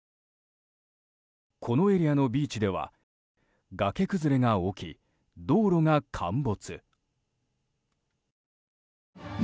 このエリアのビーチでは崖崩れが起き、道路が陥没。